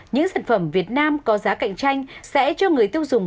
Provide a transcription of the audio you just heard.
những sản phẩm việt nam có giá cạnh tranh sẽ cho người tiêu dùng